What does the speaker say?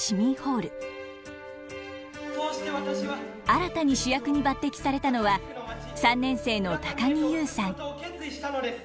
新たに主役に抜てきされたのは３年生の高木優さん。